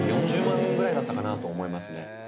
４０万ぐらいだったかなと思いますね